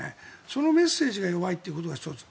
そのメッセージが弱いということが１つ。